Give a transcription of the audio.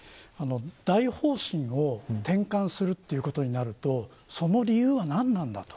大方針を転換するとなるとその理由は何なんだと。